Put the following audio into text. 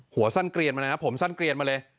หัวสั้นเกลียนมาเลยนะผมสั้นเกลียนมาเลย